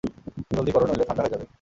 জলদি করো নইলে ঠাণ্ডা হয়ে যাবে।